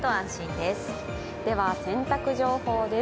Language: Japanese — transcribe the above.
では、洗濯情報です。